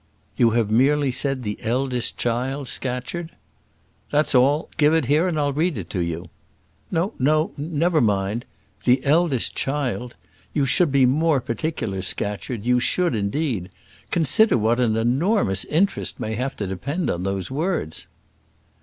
"You have merely said the eldest child, Scatcherd?" "That's all; give it here, and I'll read it to you." "No, no; never mind. The eldest child! You should be more particular, Scatcherd; you should, indeed. Consider what an enormous interest may have to depend on those words."